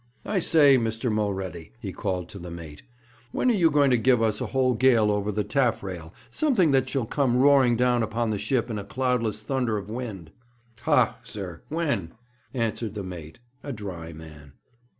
I say, Mr. Mulready,' he called to the mate, 'when are you going to give us a whole gale over the taffrail something that shall come roaring down upon the ship in a cloudless thunder of wind?' 'Ha, sir, when?' answered the mate, a dry man.